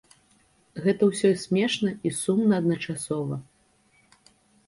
Гэта ўсё смешна і сумна адначасова.